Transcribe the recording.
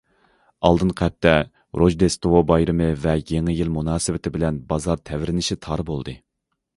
ئالدىنقى ھەپتە روژدېستۋو بايرىمى ۋە يېڭى يىل مۇناسىۋىتى بىلەن بازار تەۋرىنىشى تار بولدى.